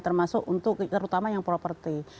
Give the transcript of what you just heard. termasuk untuk terutama yang properti